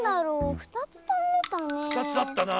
２つあったな。